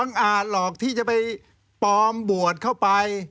อาจหรอกที่จะไปปลอมบวชเข้าไป